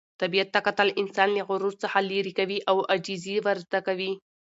طبیعت ته کتل انسان له غرور څخه لیرې کوي او عاجزي ور زده کوي.